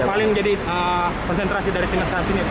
yang paling jadi presentrasi dari timnas timnas ini itu